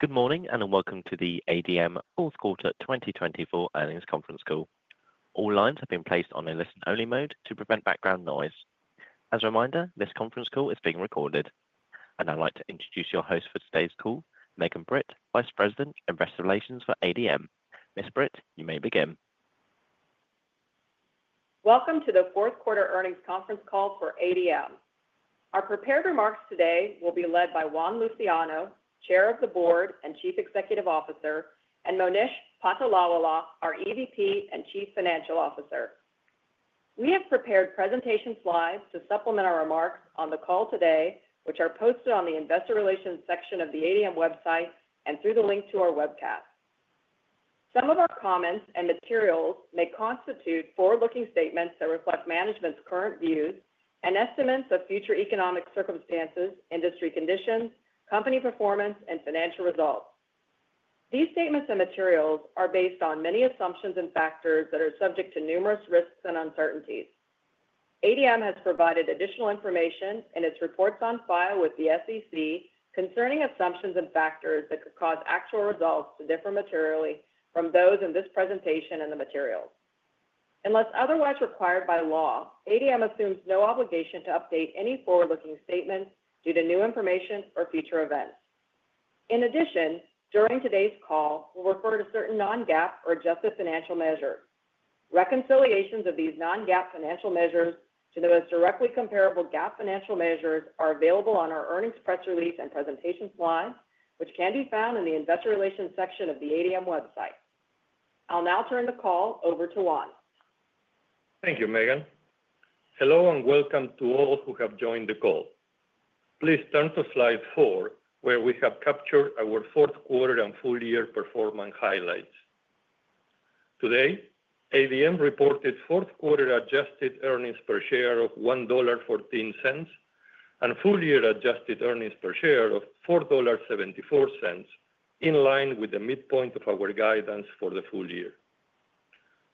Good morning and welcome to the ADM Fourth Quarter 2024 Earnings Conference Call. All lines have been placed on a listen-only mode to prevent background noise. As a reminder, this conference call is being recorded, and I'd like to introduce your host for today's call, Megan Britt, Vice President of Investor Relations for ADM. Miss Britt, you may begin. Welcome to the Q4 Earnings Conference Call for ADM. Our prepared remarks today will be led by Juan Luciano, Chair of the Board and Chief Executive Officer, and Monish Patolawala, our EVP and Chief Financial Officer. We have prepared presentations live to supplement our remarks on the call today, which are posted on the Investor Relations section of the ADM website and through the link to our webcast. Some of our comments and materials may constitute forward-looking statements that reflect management's current views and estimates of future economic circumstances, industry conditions, company performance, and financial results. These statements and materials are based on many assumptions and factors that are subject to numerous risks and uncertainties. ADM has provided additional information in its reports on file with the SEC concerning assumptions and factors that could cause actual results to differ materially from those in this presentation and the materials. Unless otherwise required by law, ADM assumes no obligation to update any forward-looking statements due to new information or future events. In addition, during today's call, we'll refer to certain non-GAAP or adjusted financial measures. Reconciliations of these non-GAAP financial measures to the most directly comparable GAAP financial measures are available on our earnings press release and presentations line, which can be found in the Investor Relations section of the ADM website. I'll now turn the call over to Juan. Thank you, Megan. Hello and welcome to all who have joined the call. Please turn to Slide 4, where we have captured our Q4 and full-year performance highlights. Today, ADM reported Q4 adjusted earnings per share of $1.14 and full-year adjusted earnings per share of $4.74, in line with the midpoint of our guidance for the full year.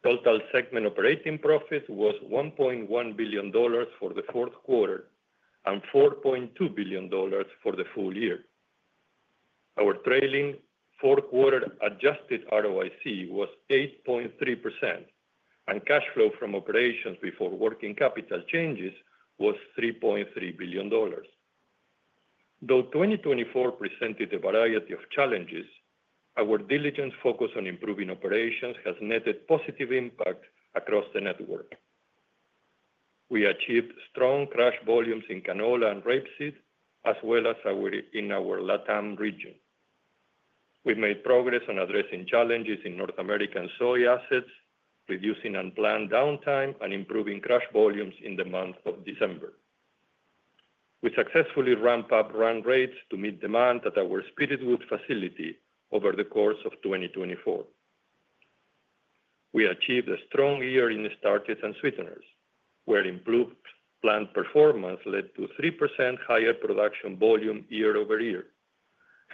Total segment operating profit was $1.1 billion for the Q4 and $4.2 billion for the full year. Our trailing Q4 adjusted ROIC was 8.3%, and cash flow from operations before working capital changes was $3.3 billion. Though 2024 presented a variety of challenges, our diligent focus on improving operations has netted positive impact across the network. We achieved strong crush volumes in canola and rapeseed, as well as in our LATAM region. We made progress on addressing challenges in North American soy assets, reducing unplanned downtime, and improving crush volumes in the month of December. We successfully ramped up run rates to meet demand at our Spiritwood facility over the course of 2024. We achieved a strong year in starches and sweeteners, where improved plant performance led to a 3% higher production volume year over year,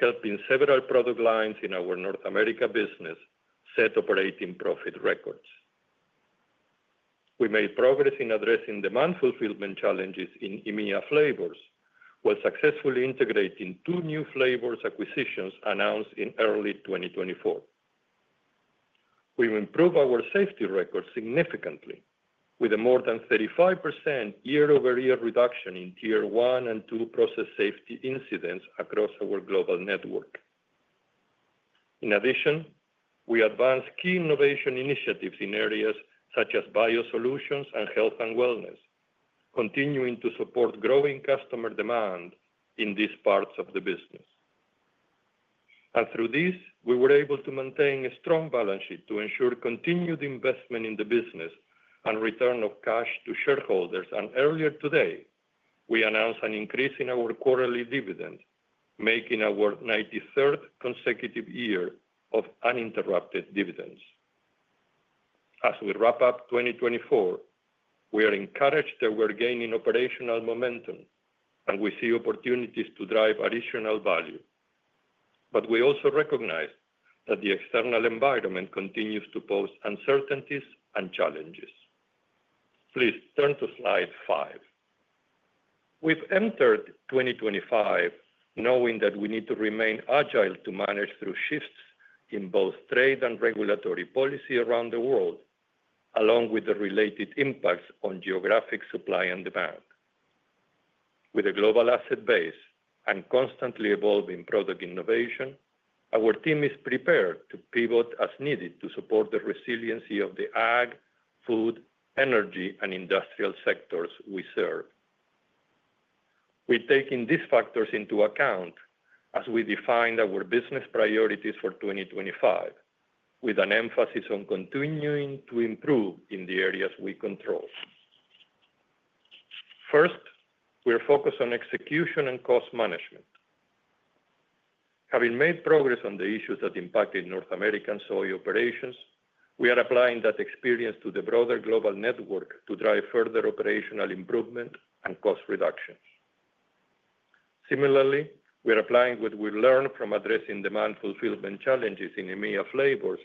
helping several product lines in our North America business set operating profit records. We made progress in addressing demand fulfillment challenges in EMEA flavors while successfully integrating two new flavors acquisitions announced in early 2024. We improved our safety record significantly, with a more than 35% year-over-year reduction in Tier 1 and Tier 2 process safety incidents across our global network. In addition, we advanced key innovation initiatives in areas such as BioSolutions and health and wellness, continuing to support growing customer demand in these parts of the business. And through this, we were able to maintain a strong balance sheet to ensure continued investment in the business and return of cash to shareholders. And earlier today, we announced an increase in our quarterly dividend, making our 93rd consecutive year of uninterrupted dividends. As we wrap up 2024, we are encouraged that we're gaining operational momentum and we see opportunities to drive additional value. But we also recognize that the external environment continues to pose uncertainties and challenges. Please turn to Slide 5. We've entered 2025 knowing that we need to remain agile to manage through shifts in both trade and regulatory policy around the world, along with the related impacts on geographic supply and demand. With a global asset base and constantly evolving product innovation, our team is prepared to pivot as needed to support the resiliency of the ag, food, energy, and industrial sectors we serve. We're taking these factors into account as we define our business priorities for 2025, with an emphasis on continuing to improve in the areas we control. First, we're focused on execution and cost management. Having made progress on the issues that impacted North American soy operations, we are applying that experience to the broader global network to drive further operational improvement and cost reductions. Similarly, we are applying what we learned from addressing demand fulfillment challenges in EMEA flavors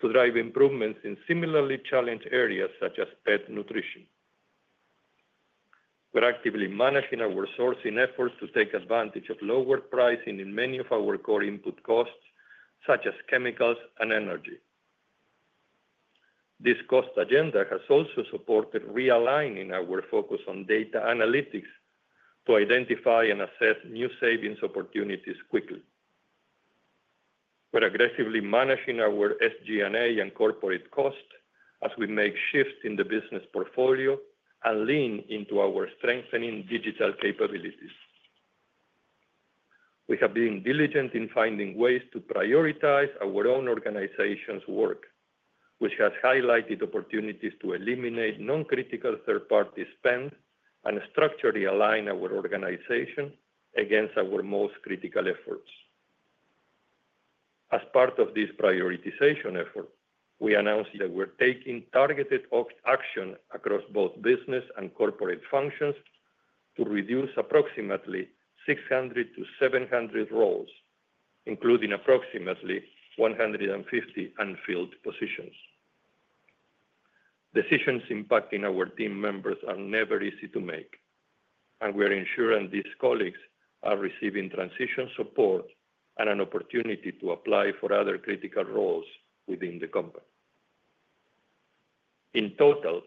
to drive improvements in similarly challenged areas such as pet nutrition. We're actively managing our sourcing efforts to take advantage of lower pricing in many of our core input costs, such as chemicals and energy. This cost agenda has also supported realigning our focus on data analytics to identify and assess new savings opportunities quickly. We're aggressively managing our SG&A and corporate costs as we make shifts in the business portfolio and lean into our strengthening digital capabilities. We have been diligent in finding ways to prioritize our own organization's work, which has highlighted opportunities to eliminate non-critical third-party spend and structurally align our organization against our most critical efforts. As part of this prioritization effort, we announced that we're taking targeted action across both business and corporate functions to reduce approximately 600-700 roles, including approximately 150 unfilled positions. Decisions impacting our team members are never easy to make, and we are ensuring these colleagues are receiving transition support and an opportunity to apply for other critical roles within the company. In total,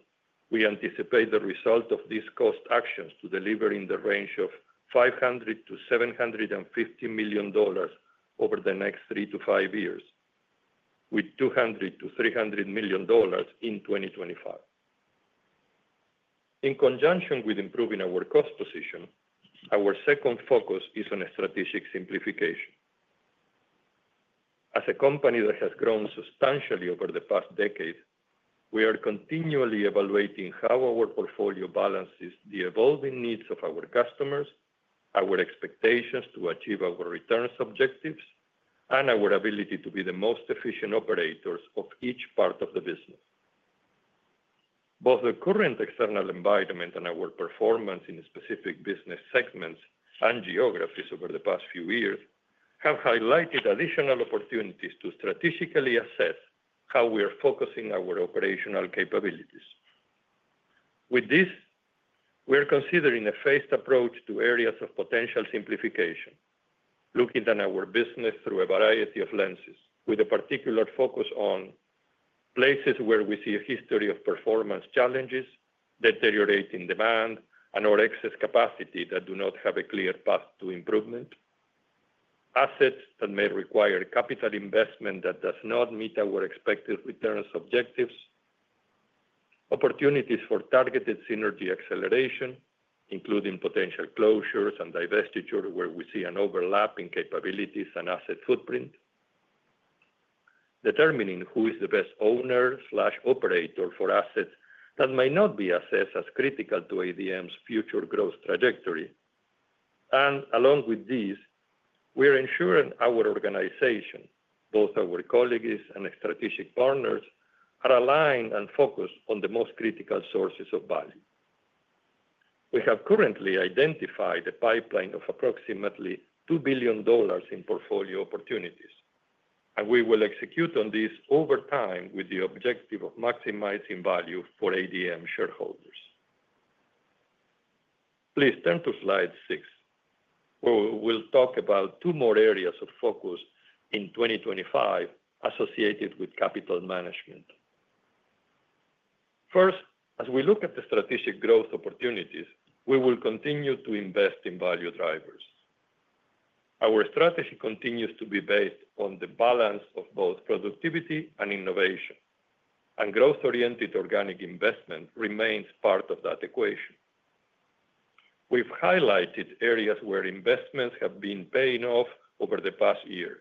we anticipate the result of these cost actions to deliver in the range of $500-$750 million over the next three to five years, with $200-$300 million in 2025. In conjunction with improving our cost position, our second focus is on strategic simplification. As a company that has grown substantially over the past decade, we are continually evaluating how our portfolio balances the evolving needs of our customers, our expectations to achieve our return objectives, and our ability to be the most efficient operators of each part of the business. Both the current external environment and our performance in specific business segments and geographies over the past few years have highlighted additional opportunities to strategically assess how we are focusing our operational capabilities. With this, we are considering a phased approach to areas of potential simplification, looking at our business through a variety of lenses, with a particular focus on places where we see a history of performance challenges, deteriorating demand, and/or excess capacity that do not have a clear path to improvement, assets that may require capital investment that does not meet our expected returns objectives, opportunities for targeted synergy acceleration, including potential closures and divestiture where we see an overlap in capabilities and asset footprint, determining who is the best owner/operator for assets that might not be assessed as critical to ADM's future growth trajectory, and along with these, we are ensuring our organization, both our colleagues and strategic partners, are aligned and focused on the most critical sources of value. We have currently identified a pipeline of approximately $2 billion in portfolio opportunities, and we will execute on this over time with the objective of maximizing value for ADM shareholders. Please turn to Slide 6, where we will talk about two more areas of focus in 2025 associated with capital management. First, as we look at the strategic growth opportunities, we will continue to invest in value drivers. Our strategy continues to be based on the balance of both productivity and innovation, and growth-oriented organic investment remains part of that equation. We've highlighted areas where investments have been paying off over the past year,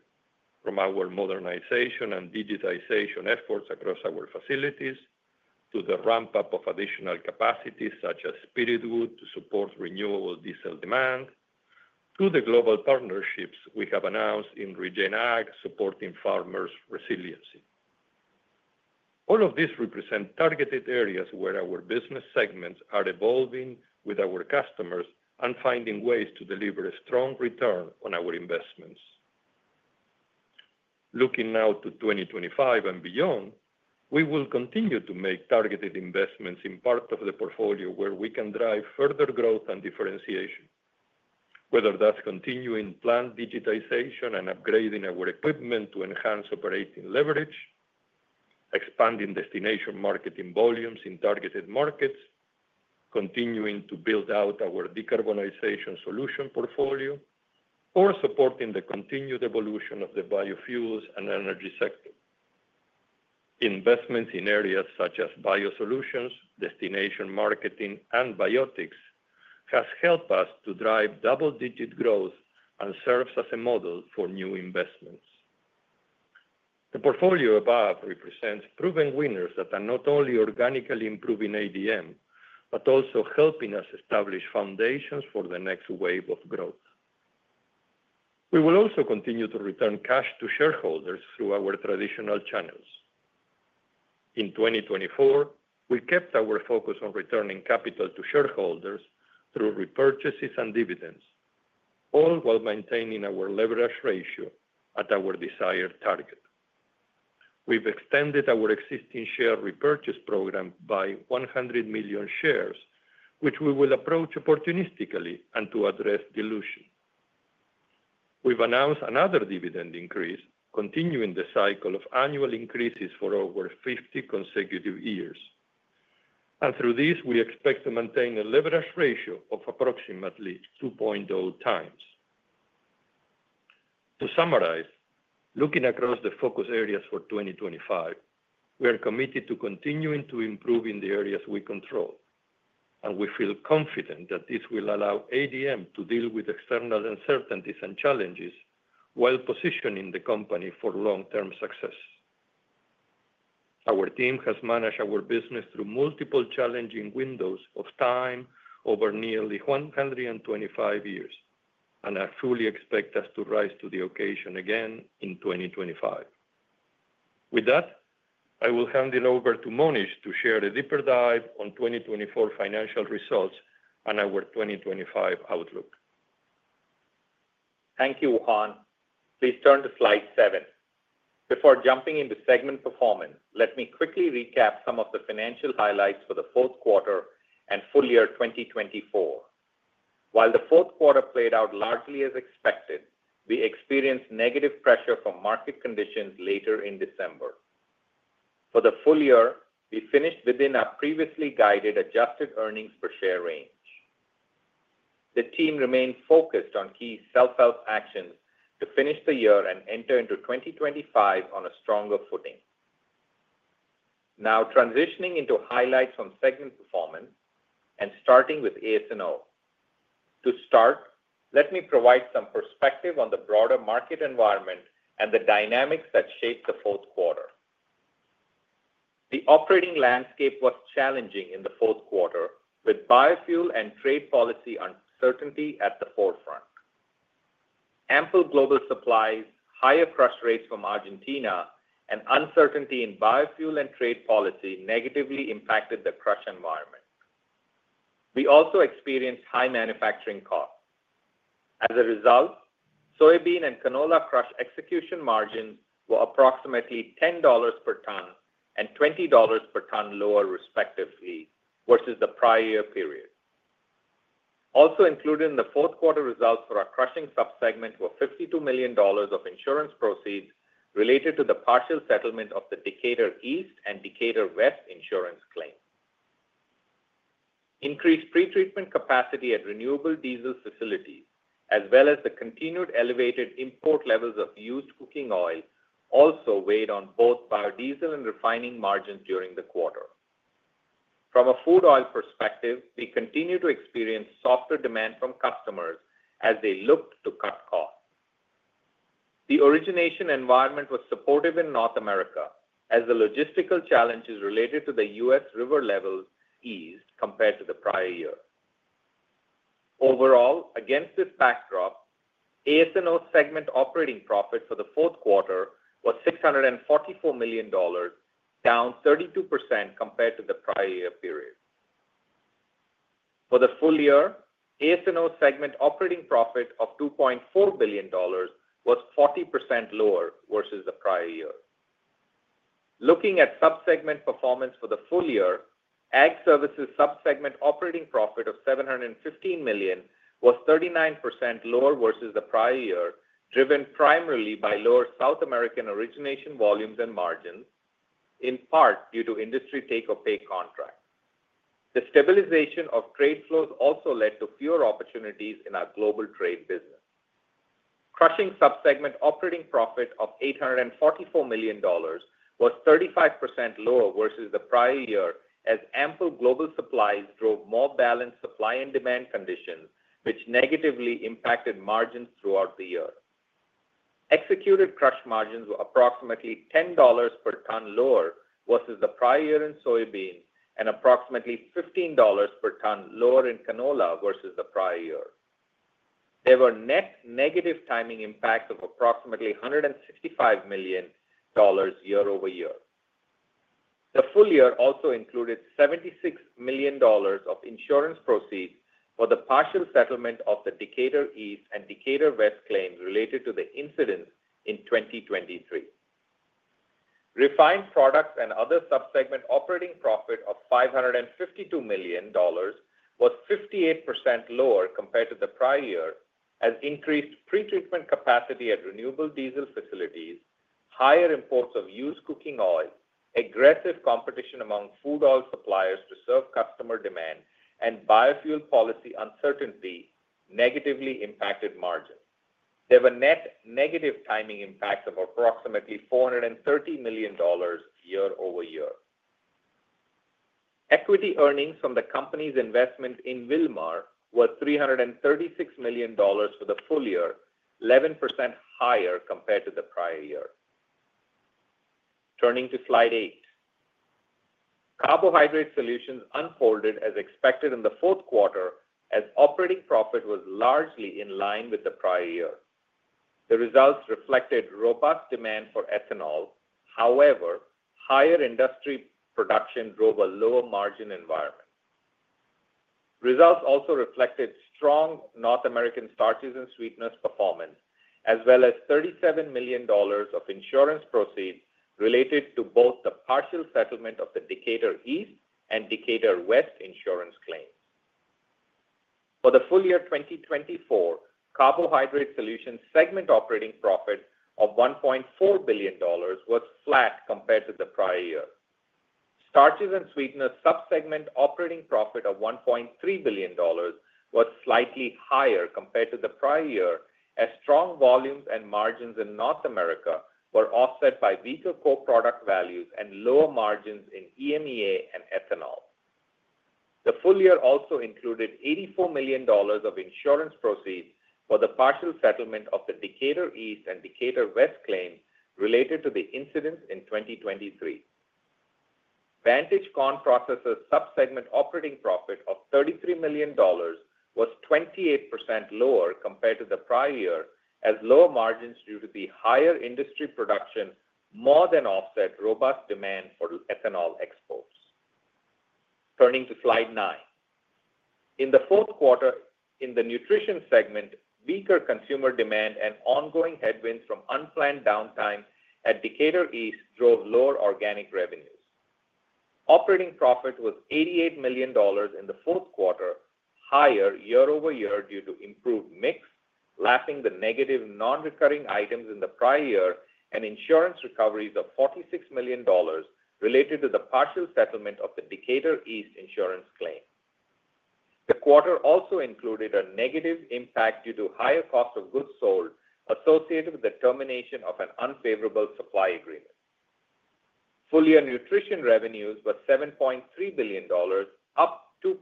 from our modernization and digitization efforts across our facilities to the ramp-up of additional capacity such as Spiritwood to support renewable diesel demand, to the global partnerships we have announced in regenerative agriculture supporting farmers' resiliency. All of these represent targeted areas where our business segments are evolving with our customers and finding ways to deliver a strong return on our investments. Looking now to 2025 and beyond, we will continue to make targeted investments in parts of the portfolio where we can drive further growth and differentiation, whether that's continuing plant digitization and upgrading our equipment to enhance operating leverage, expanding destination marketing volumes in targeted markets, continuing to build out our decarbonization solution portfolio, or supporting the continued evolution of the biofuels and energy sector. Investments in areas such as BioSolutions, destination marketing, and biotics have helped us to drive double-digit growth and serve as a model for new investments. The portfolio above represents proven winners that are not only organically improving ADM, but also helping us establish foundations for the next wave of growth. We will also continue to return cash to shareholders through our traditional channels. In 2024, we kept our focus on returning capital to shareholders through repurchases and dividends, all while maintaining our leverage ratio at our desired target. We've extended our existing share repurchase program by 100 million shares, which we will approach opportunistically and to address dilution. We've announced another dividend increase, continuing the cycle of annual increases for over 50 consecutive years. And through this, we expect to maintain a leverage ratio of approximately 2.0 times. To summarize, looking across the focus areas for 2025, we are committed to continuing to improve in the areas we control, and we feel confident that this will allow ADM to deal with external uncertainties and challenges while positioning the company for long-term success. Our team has managed our business through multiple challenging windows of time over nearly 125 years, and I fully expect us to rise to the occasion again in 2025. With that, I will hand it over to Monish to share a deeper dive on 2024 financial results and our 2025 outlook. Thank you, Juan. Please turn to Slide 7. Before jumping into segment performance, let me quickly recap some of the financial highlights for the Q4 and full year 2024. While the Q4 played out largely as expected, we experienced negative pressure from market conditions later in December. For the full year, we finished within our previously guided adjusted earnings per share range. The team remained focused on key self-help actions to finish the year and enter into 2025 on a stronger footing. Now transitioning into highlights from segment performance and starting with AS&O. To start, let me provide some perspective on the broader market environment and the dynamics that shaped the Q4. The operating landscape was challenging in the Q4, with biofuel and trade policy uncertainty at the forefront. Ample global supplies, higher crush rates from Argentina, and uncertainty in biofuel and trade policy negatively impacted the crush environment. We also experienced high manufacturing costs. As a result, soybean and canola crush execution margins were approximately $10 per ton and $20 per ton lower, respectively, versus the prior year period. Also included in the Q4 results for our crushing subsegment were $52 million of insurance proceeds related to the partial settlement of the Decatur East and Decatur West insurance claim. Increased pretreatment capacity at renewable diesel facilities, as well as the continued elevated import levels of used cooking oil, also weighed on both biodiesel and refining margins during the quarter. From a food oil perspective, we continue to experience softer demand from customers as they look to cut costs. The origination environment was supportive in North America, as the logistical challenges related to the U.S. river levels eased compared to the prior year. Overall, against this backdrop, AS&O segment operating profit for the Q4 was $644 million, down 32% compared to the prior year period. For the full year, AS&O segment operating profit of $2.4 billion was 40% lower versus the prior year. Looking at subsegment performance for the full year, Ag Services subsegment operating profit of $715 million was 39% lower versus the prior year, driven primarily by lower South American origination volumes and margins, in part due to industry take-or-pay contracts. The stabilization of trade flows also led to fewer opportunities in our global trade business. Crushing subsegment operating profit of $844 million was 35% lower versus the prior year, as ample global supplies drove more balanced supply and demand conditions, which negatively impacted margins throughout the year. Executed crush margins were approximately $10 per ton lower versus the prior year in soybeans and approximately $15 per ton lower in canola versus the prior year. There were net negative timing impacts of approximately $165 million year over year. The full year also included $76 million of insurance proceeds for the partial settlement of the Decatur East and Decatur West claims related to the incidents in 2023. Refined products and other subsegment operating profit of $552 million was 58% lower compared to the prior year, as increased pretreatment capacity at renewable diesel facilities, higher imports of used cooking oil, aggressive competition among food oil suppliers to serve customer demand, and biofuel policy uncertainty negatively impacted margins. There were net negative timing impacts of approximately $430 million year over year. Equity earnings from the company's investment in Wilmar were $336 million for the full year, 11% higher compared to the prior year. Turning to Slide 8, carbohydrate solutions unfolded as expected in the Q4, as operating profit was largely in line with the prior year. The results reflected robust demand for ethanol. However, higher industry production drove a lower margin environment. Results also reflected strong North American starches and sweeteners performance, as well as $37 million of insurance proceeds related to both the partial settlement of the Decatur East and Decatur West insurance claims. For the full year 2024, carbohydrate solution segment operating profit of $1.4 billion was flat compared to the prior year. Starches and sweeteners subsegment operating profit of $1.3 billion was slightly higher compared to the prior year, as strong volumes and margins in North America were offset by weaker co-product values and lower margins in EMEA and ethanol. The full year also included $84 million of insurance proceeds for the partial settlement of the Decatur East and Decatur West claims related to the incidents in 2023. Vantage Corn Processors subsegment operating profit of $33 million was 28% lower compared to the prior year, as lower margins due to the higher industry production more than offset robust demand for ethanol exports. Turning to Slide 9, in the Q4, in the nutrition segment, weaker consumer demand and ongoing headwinds from unplanned downtime at Decatur East drove lower organic revenues. Operating profit was $88 million in the Q4, higher year over year due to improved mix, lapping the negative non-recurring items in the prior year, and insurance recoveries of $46 million related to the partial settlement of the Decatur East insurance claim. The quarter also included a negative impact due to higher cost of goods sold associated with the termination of an unfavorable supply agreement. Full year nutrition revenues were $7.3 billion, up 2%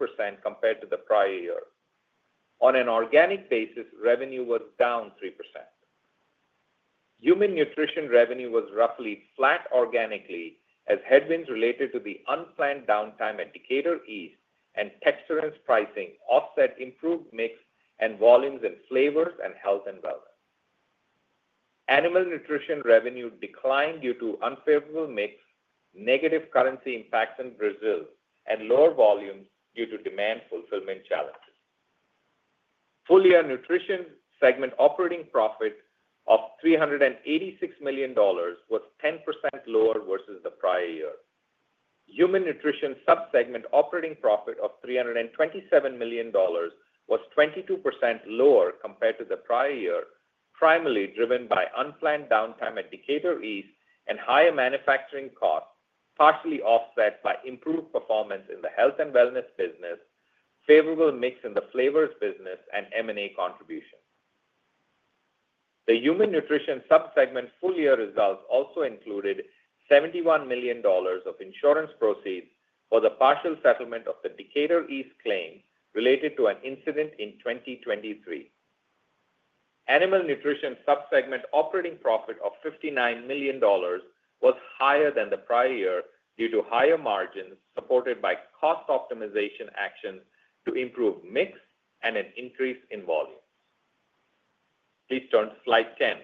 compared to the prior year. On an organic basis, revenue was down 3%. Human nutrition revenue was roughly flat organically, as headwinds related to the unplanned downtime at Decatur East and texturants pricing offset improved mix and volumes and flavors and health and wellness. Animal nutrition revenue declined due to unfavorable mix, negative currency impacts in Brazil, and lower volumes due to demand fulfillment challenges. Full year nutrition segment operating profit of $386 million was 10% lower versus the prior year. Human nutrition subsegment operating profit of $327 million was 22% lower compared to the prior year, primarily driven by unplanned downtime at Decatur East and higher manufacturing costs, partially offset by improved performance in the health and wellness business, favorable mix in the flavors business, and M&A contributions. The human nutrition subsegment full year results also included $71 million of insurance proceeds for the partial settlement of the Decatur East claim related to an incident in 2023. Animal nutrition subsegment operating profit of $59 million was higher than the prior year due to higher margins supported by cost optimization actions to improve mix and an increase in volumes. Please turn to Slide 10.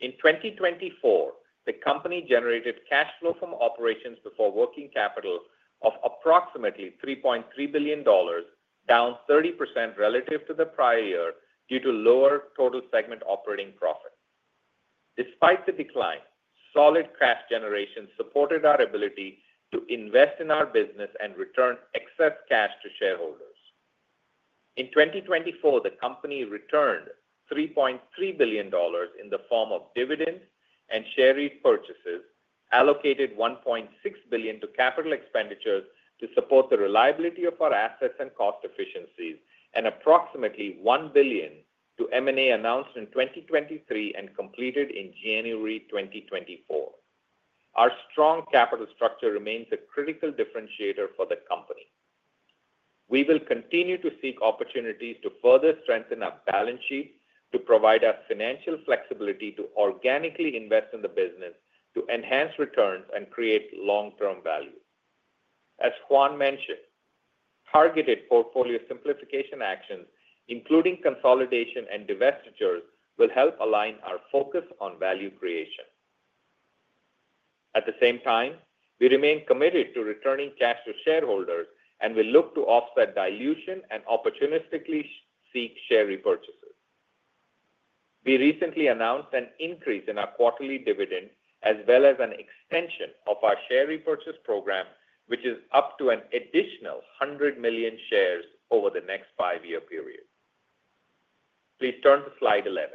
In 2024, the company generated cash flow from operations before working capital of approximately $3.3 billion, down 30% relative to the prior year due to lower total segment operating profit. Despite the decline, solid cash generation supported our ability to invest in our business and return excess cash to shareholders. In 2024, the company returned $3.3 billion in the form of dividends and share repurchases, allocated $1.6 billion to capital expenditures to support the reliability of our assets and cost efficiencies, and approximately $1 billion to M&A announced in 2023 and completed in January 2024. Our strong capital structure remains a critical differentiator for the company. We will continue to seek opportunities to further strengthen our balance sheet to provide us financial flexibility to organically invest in the business to enhance returns and create long-term value. As Juan mentioned, targeted portfolio simplification actions, including consolidation and divestitures, will help align our focus on value creation. At the same time, we remain committed to returning cash to shareholders and will look to offset dilution and opportunistically seek share repurchases. We recently announced an increase in our quarterly dividend, as well as an extension of our share repurchase program, which is up to an additional 100 million shares over the next five-year period. Please turn to Slide 11.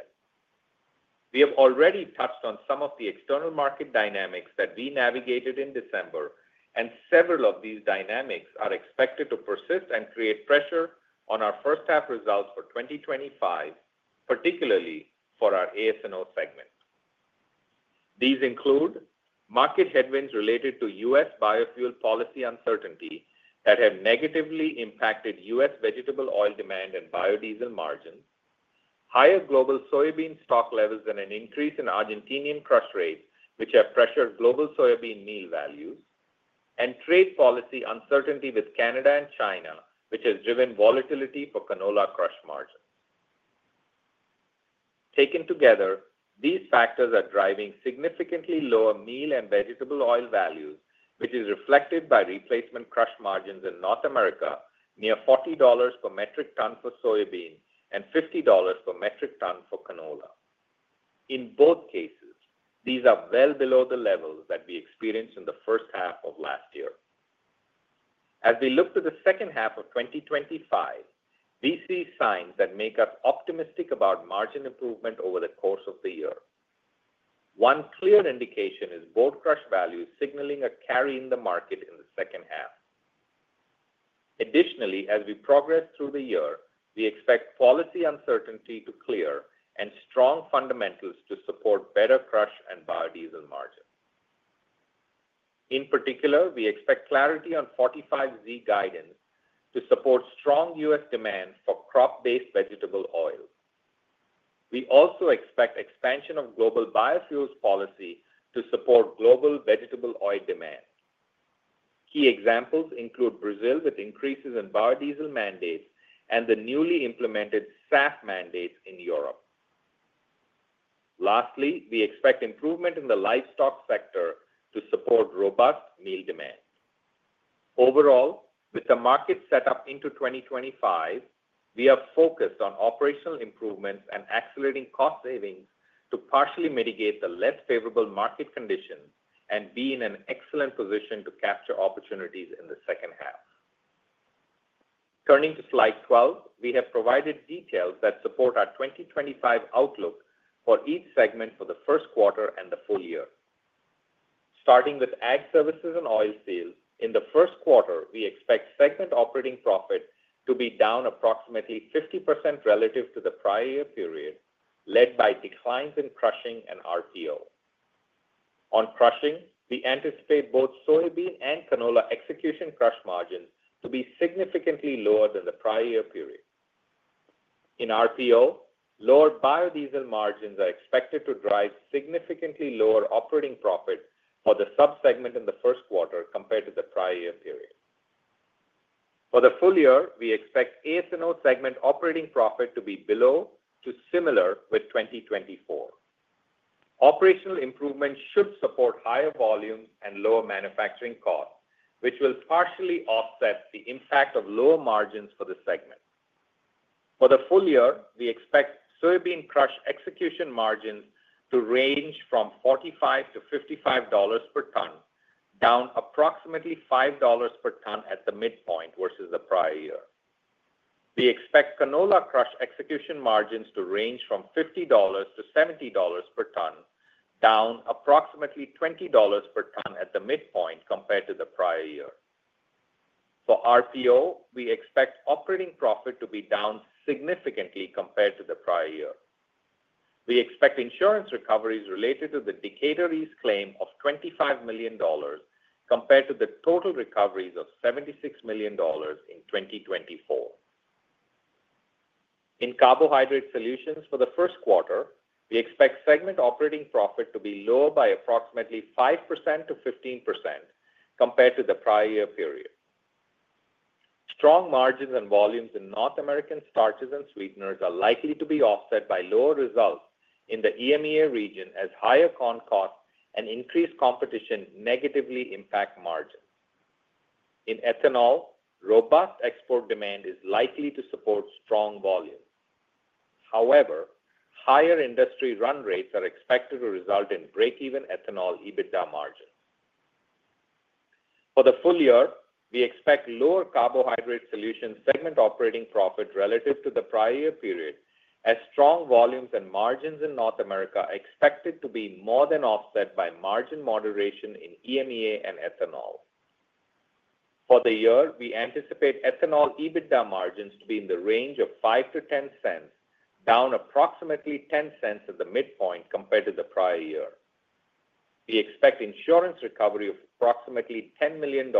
We have already touched on some of the external market dynamics that we navigated in December, and several of these dynamics are expected to persist and create pressure on our first-half results for 2025, particularly for our AS&O segment. These include market headwinds related to U.S. biofuel policy uncertainty that have negatively impacted U.S. vegetable oil demand and biodiesel margins, higher global soybean stock levels than an increase in Argentinian crush rates, which have pressured global soybean meal values, and trade policy uncertainty with Canada and China, which has driven volatility for canola crush margins. Taken together, these factors are driving significantly lower meal and vegetable oil values, which is reflected by replacement crush margins in North America, near $40 per metric ton for soybean and $50 per metric ton for canola. In both cases, these are well below the levels that we experienced in the first half of last year. As we look to the second half of 2025, we see signs that make us optimistic about margin improvement over the course of the year. One clear indication is board crush values signaling a carry in the market in the second half. Additionally, as we progress through the year, we expect policy uncertainty to clear and strong fundamentals to support better crush and biodiesel margins. In particular, we expect clarity on 45Z guidance to support strong U.S. demand for crop-based vegetable oil. We also expect expansion of global biofuels policy to support global vegetable oil demand. Key examples include Brazil with increases in biodiesel mandates and the newly implemented SAF mandates in Europe. Lastly, we expect improvement in the livestock sector to support robust meal demand. Overall, with the market set up into 2025, we have focused on operational improvements and accelerating cost savings to partially mitigate the less favorable market conditions and be in an excellent position to capture opportunities in the second half. Turning to Slide 12, we have provided details that support our 2025 outlook for each segment for the Q1 and the full year. Starting with Ag Services and Oilseeds, in the Q1, we expect segment operating profit to be down approximately 50% relative to the prior year period, led by declines in crushing and RPO. On crushing, we anticipate both soybean and canola execution crush margins to be significantly lower than the prior year period. In RPO, lower biodiesel margins are expected to drive significantly lower operating profit for the subsegment in the Q1 compared to the prior year period. For the full year, we expect AS&O segment operating profit to be below to similar to 2024. Operational improvement should support higher volumes and lower manufacturing costs, which will partially offset the impact of lower margins for the segment. For the full year, we expect soybean crush execution margins to range from $45-$55 per ton, down approximately $5 per ton at the midpoint versus the prior year. We expect canola crush execution margins to range from $50-$70 per ton, down approximately $20 per ton at the midpoint compared to the prior year. For RPO, we expect operating profit to be down significantly compared to the prior year. We expect insurance recoveries related to the Decatur East claim of $25 million compared to the total recoveries of $76 million in 2024. In carbohydrate solutions for the Q1, we expect segment operating profit to be lower by approximately 5%-15% compared to the prior year period. Strong margins and volumes in North American starches and sweeteners are likely to be offset by lower results in the EMEA region, as higher corn costs and increased competition negatively impact margins. In ethanol, robust export demand is likely to support strong volumes. However, higher industry run rates are expected to result in break-even ethanol EBITDA margins. For the full year, we expect lower carbohydrate solution segment operating profit relative to the prior year period, as strong volumes and margins in North America are expected to be more than offset by margin moderation in EMEA and ethanol. For the year, we anticipate ethanol EBITDA margins to be in the range of $0.05-$0.10, down approximately $0.10 at the midpoint compared to the prior year. We expect insurance recovery of approximately $10 million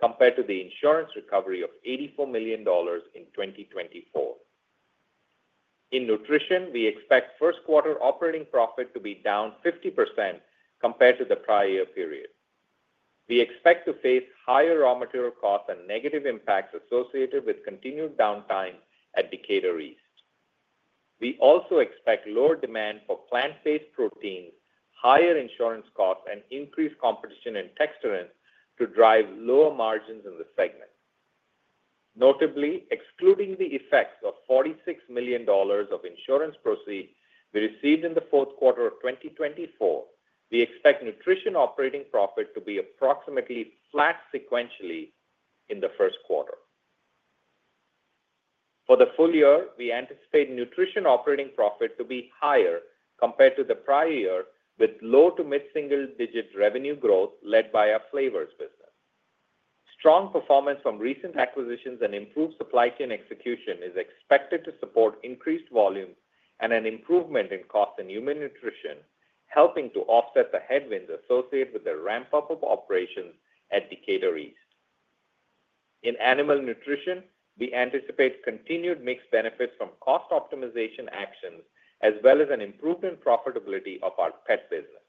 compared to the insurance recovery of $84 million in 2024. In Nutrition, we expect Q1 operating profit to be down 50% compared to the prior year period. We expect to face higher raw material costs and negative impacts associated with continued downtime at Decatur East. We also expect lower demand for plant-based proteins, higher insurance costs, and increased competition in texturants to drive lower margins in the segment. Notably, excluding the effects of $46 million of insurance proceeds we received in the Q4 of 2024, we expect Nutrition operating profit to be approximately flat sequentially in the Q1. For the full year, we anticipate Nutrition operating profit to be higher compared to the prior year, with low to mid-single-digit revenue growth led by our flavors business. Strong performance from recent acquisitions and improved supply chain execution is expected to support increased volumes and an improvement in costs in human nutrition, helping to offset the headwinds associated with the ramp-up of operations at Decatur East. In animal nutrition, we anticipate continued mix benefits from cost optimization actions, as well as an improvement in profitability of our pet business.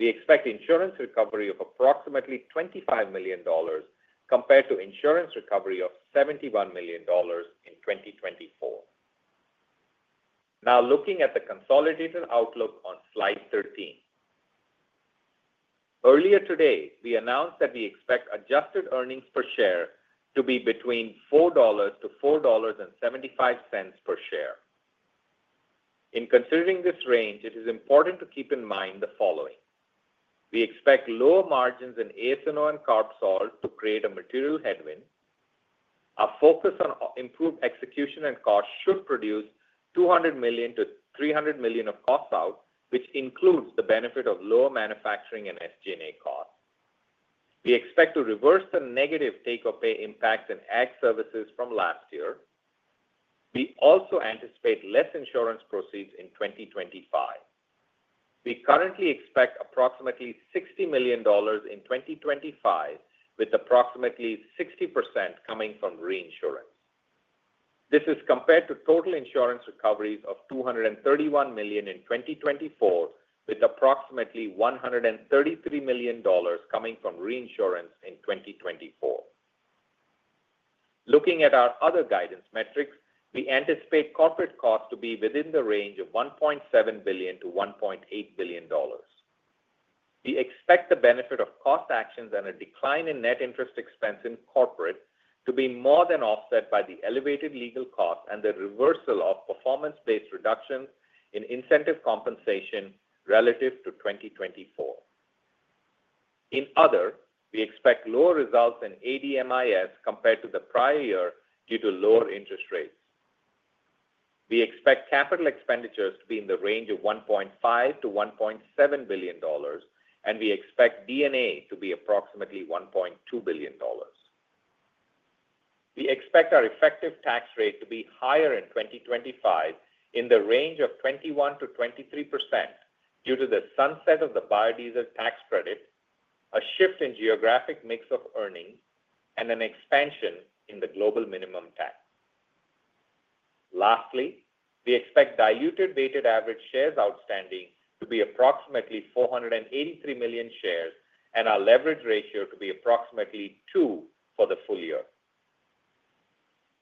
We expect insurance recovery of approximately $25 million compared to insurance recovery of $71 million in 2024. Now, looking at the consolidated outlook on Slide 13. Earlier today, we announced that we expect adjusted earnings per share to be between $4-$4.75 per share. In considering this range, it is important to keep in mind the following. We expect lower margins in AS&O and Carb Sol to create a material headwind. Our focus on improved execution and costs should produce $200 million-$300 million of costs out, which includes the benefit of lower manufacturing and SG&A costs. We expect to reverse the negative take-or-pay impacts in ag services from last year. We also anticipate less insurance proceeds in 2025. We currently expect approximately $60 million in 2025, with approximately 60% coming from reinsurance. This is compared to total insurance recoveries of $231 million in 2024, with approximately $133 million coming from reinsurance in 2024. Looking at our other guidance metrics, we anticipate corporate costs to be within the range of $1.7 billion-$1.8 billion. We expect the benefit of cost actions and a decline in net interest expense in corporate to be more than offset by the elevated legal costs and the reversal of performance-based reductions in incentive compensation relative to 2024. In other, we expect lower results in ADMIS compared to the prior year due to lower interest rates. We expect capital expenditures to be in the range of $1.5-$1.7 billion, and we expect D&A to be approximately $1.2 billion. We expect our effective tax rate to be higher in 2025 in the range of 21%-23% due to the sunset of the biodiesel tax credit, a shift in geographic mix of earnings, and an expansion in the global minimum tax. Lastly, we expect diluted weighted average shares outstanding to be approximately 483 million shares and our leverage ratio to be approximately 2 for the full year.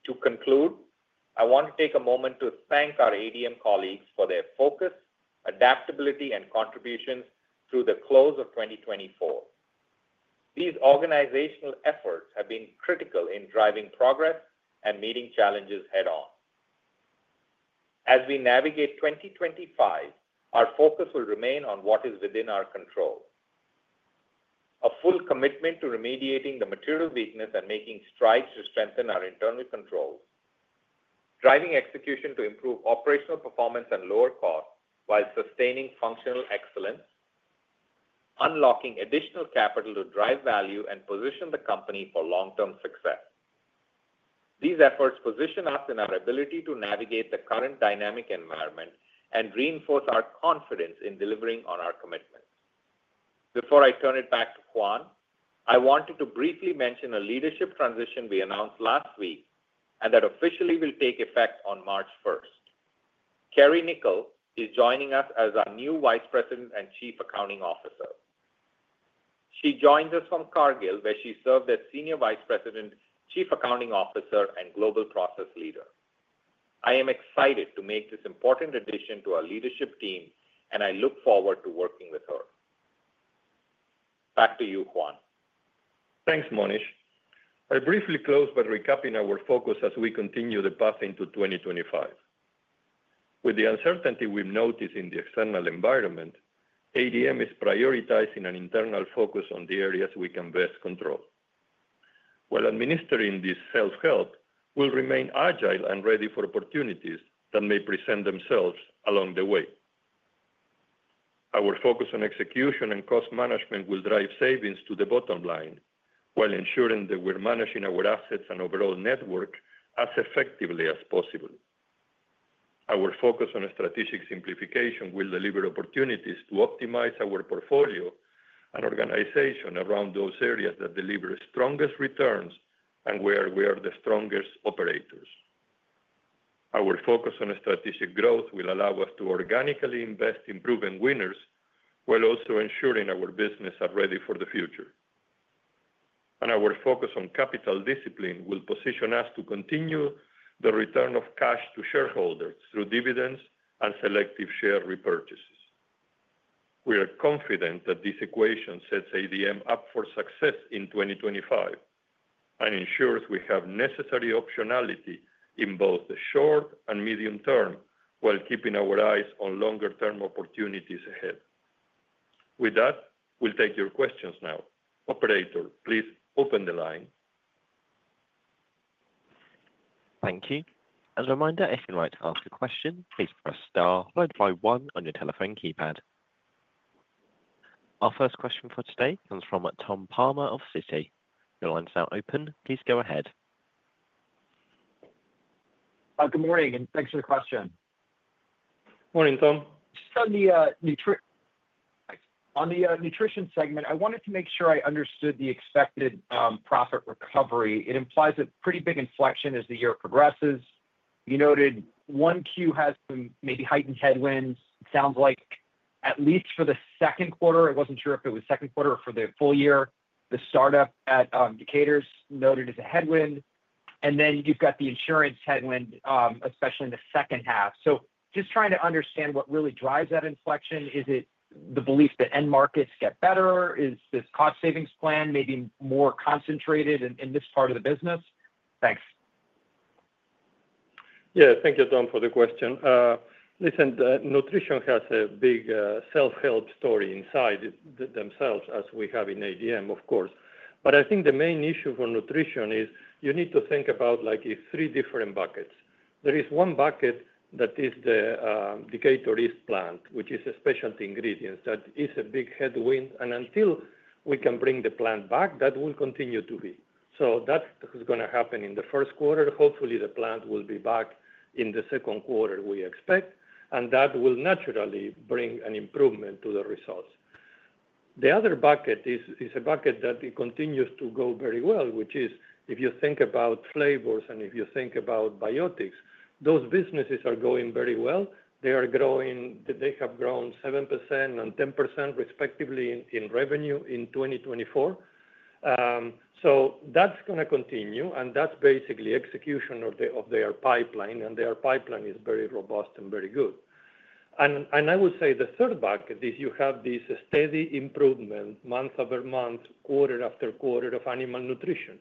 To conclude, I want to take a moment to thank our ADM colleagues for their focus, adaptability, and contributions through the close of 2024. These organizational efforts have been critical in driving progress and meeting challenges head-on. As we navigate 2025, our focus will remain on what is within our control: a full commitment to remediating the material weakness and making strides to strengthen our internal controls, driving execution to improve operational performance and lower costs while sustaining functional excellence, unlocking additional capital to drive value and position the company for long-term success. These efforts position us in our ability to navigate the current dynamic environment and reinforce our confidence in delivering on our commitments. Before I turn it back to Juan, I wanted to briefly mention a leadership transition we announced last week and that officially will take effect on March 1st. Keri Nicol is joining us as our new Vice President and Chief Accounting Officer. She joins us from Cargill, where she served as Senior Vice President, Chief Accounting Officer, and Global Process Leader. I am excited to make this important addition to our leadership team, and I look forward to working with her. Back to you, Juan. Thanks, Monish. I'll briefly close by recapping our focus as we continue the path into 2025. With the uncertainty we've noticed in the external environment, ADM is prioritizing an internal focus on the areas we can best control. While administering this self-help, we'll remain agile and ready for opportunities that may present themselves along the way. Our focus on execution and cost management will drive savings to the bottom line while ensuring that we're managing our assets and overall network as effectively as possible. Our focus on strategic simplification will deliver opportunities to optimize our portfolio and organization around those areas that deliver strongest returns and where we are the strongest operators. Our focus on strategic growth will allow us to organically invest in proven winners while also ensuring our business is ready for the future. And our focus on capital discipline will position us to continue the return of cash to shareholders through dividends and selective share repurchases. We are confident that this equation sets ADM up for success in 2025 and ensures we have necessary optionality in both the short and medium term while keeping our eyes on longer-term opportunities ahead. With that, we'll take your questions now. Operator, please open the line. Thank you. As a reminder, if you'd like to ask a question, please press star followed by one on your telephone keypad. Our first question for today comes from Tom Palmer of Citi. Your line is now open. Please go ahead. Good morning, and thanks for the question. Morning, Tom. Just on the nutrition segment, I wanted to make sure I understood the expected profit recovery. It implies a pretty big inflection as the year progresses. You noted 1Q has some maybe heightened headwinds. It sounds like, at least for the Q2, I wasn't sure if it was Q2 or for the full year, the startup at Decatur's noted as a headwind. And then you've got the insurance headwind, especially in the second half. So just trying to understand what really drives that inflection. Is it the belief that end markets get better? Is this cost savings plan maybe more concentrated in this part of the business? Thanks. Yeah, thank you, Tom, for the question. Listen, nutrition has a big self-help story inside themselves, as we have in ADM, of course. But I think the main issue for nutrition is you need to think about three different buckets. There is one bucket that is the Decatur East plant, which is a specialty ingredient that is a big headwind. And until we can bring the plant back, that will continue to be. So that's what's going to happen in the Q1. Hopefully, the plant will be back in the Q2, we expect. And that will naturally bring an improvement to the results. The other bucket is a bucket that continues to go very well, which is if you think about flavors and if you think about biotics, those businesses are going very well. They have grown 7% and 10%, respectively, in revenue in 2024. So that's going to continue. And that's basically execution of their pipeline. And their pipeline is very robust and very good. I would say the third bucket is you have this steady improvement month over month, quarter-after-quarter of animal nutrition,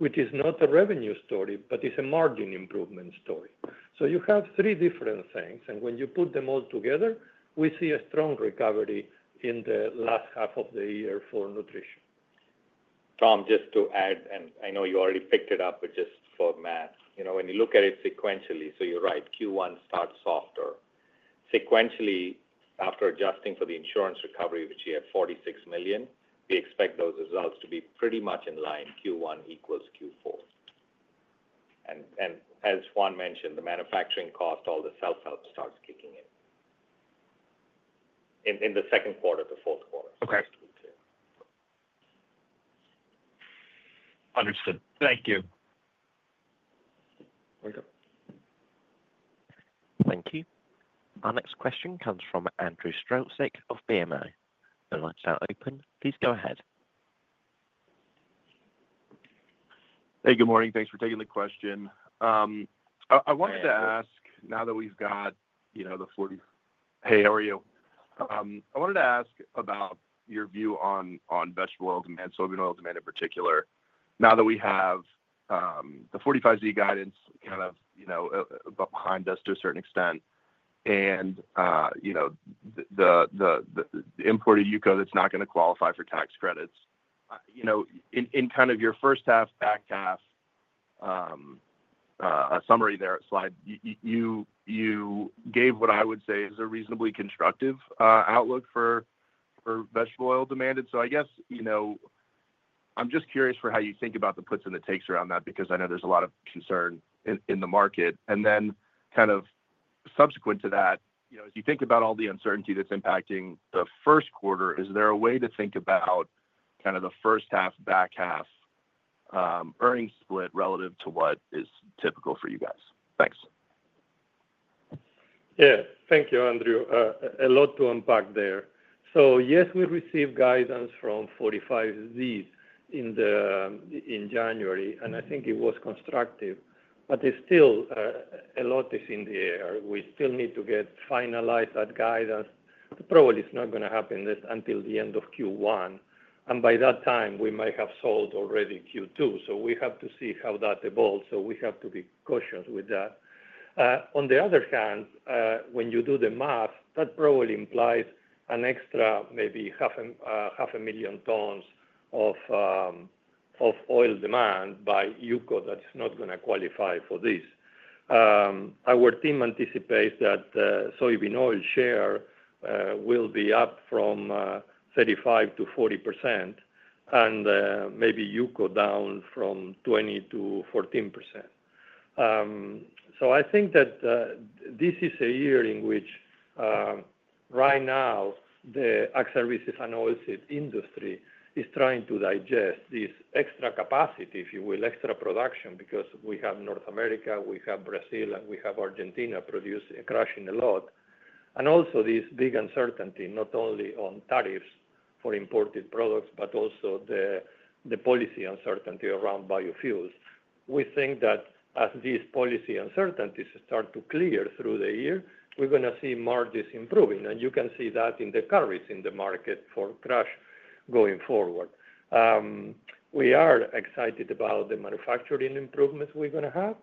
which is not a revenue story, but it's a margin improvement story. You have three different things. When you put them all together, we see a strong recovery in the last half of the year for nutrition. Tom, just to add, and I know you already picked it up, but just for math, when you look at it sequentially, so you're right, Q1 starts softer. Sequentially, after adjusting for the insurance recovery, which you have $46 million, we expect those results to be pretty much in line, Q1 equals Q4. As Juan mentioned, the manufacturing cost, all the self-help starts kicking in in the Q2 to Q4. Understood. Thank you. Thank you. Our next question comes from Andrew Strzelczyk of BMO. The line is now open. Please go ahead. Hey, good morning. Thanks for taking the question. I wanted to ask, now that we've got the 40—hey, how are you? I wanted to ask about your view on vegetable oil demand, soybean oil demand in particular, now that we have the 45Z guidance kind of behind us to a certain extent and the imported used cooking oil that's not going to qualify for tax credits. In kind of your first half, back half, a summary there at slide, you gave what I would say is a reasonably constructive outlook for vegetable oil demand. And so I guess I'm just curious for how you think about the puts and the takes around that because I know there's a lot of concern in the market. And then kind of subsequent to that, as you think about all the uncertainty that's impacting the Q1, is there a way to think about kind of the first half, back half earnings split relative to what is typical for you guys? Thanks. Yeah, thank you, Andrew. A lot to unpack there. So yes, we received guidance from 45Z in January, and I think it was constructive. But still, a lot is in the air. We still need to get finalized that guidance. Probably it's not going to happen until the end of Q1. And by that time, we might have sold already Q2. So we have to see how that evolves. So we have to be cautious with that. On the other hand, when you do the math, that probably implies an extra maybe 500,000 tons of oil demand by used cooking oil that is not going to qualify for this. Our team anticipates that soybean oil share will be up from 35%-40% and maybe used cooking oil down from 20%-14%. So I think that this is a year in which right now the Ag Services and Oilseeds industry is trying to digest this extra capacity, if you will, extra production because we have North America, we have Brazil, and we have Argentina producing a lot. And also this big uncertainty, not only on tariffs for imported products, but also the policy uncertainty around biofuels. We think that as these policy uncertainties start to clear through the year, we're going to see margins improving. You can see that in the carries in the market for cash going forward. We are excited about the manufacturing improvements we're going to have.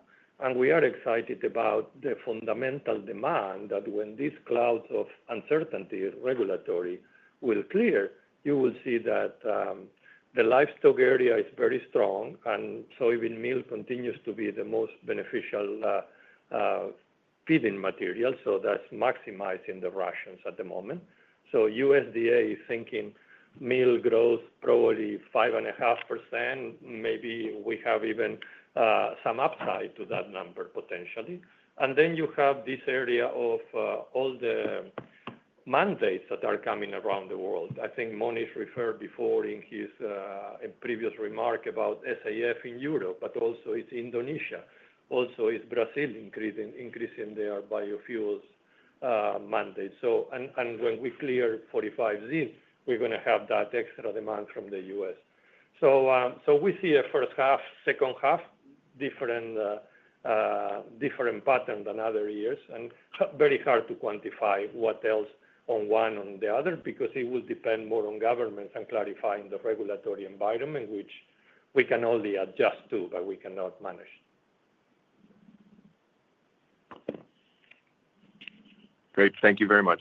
We are excited about the fundamental demand that when these clouds of regulatory uncertainty will clear, you will see that the livestock area is very strong. Soybean meal continues to be the most beneficial feeding material. That's maximizing the rations at the moment. USDA is thinking meal growth probably 5.5%. Maybe we have even some upside to that number potentially. Then you have this area of all the mandates that are coming around the world. I think Monish referred before in his previous remark about SAF in Europe, but also it's Indonesia, also it's Brazil increasing their biofuels mandate. When we clear 45Z, we're going to have that extra demand from the U.S. So we see a first half, second half, different pattern than other years. It is very hard to quantify what else on one or the other because it will depend more on governments and clarifying the regulatory environment, which we can only adjust to, but we cannot manage. Great. Thank you very much.